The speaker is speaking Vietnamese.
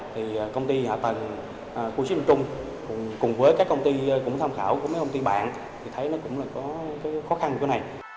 thì công ty hạ tầng khu chế trung trung cùng với các công ty cũng tham khảo của mấy công ty bạn thì thấy nó cũng là có khó khăn của này